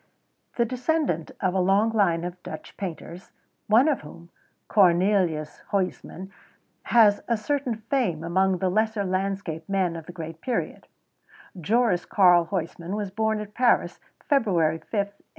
The descendant of a long line of Dutch painters one of whom, Cornelius Huysmans, has a certain fame among the lesser landscape men of the great period Joris Karl Huysmans was born at Paris, February 5, 1848.